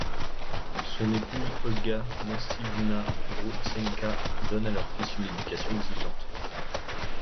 Son épouse Olga Moiseevna Grodsenka donne à leur fils une éducation exigeante.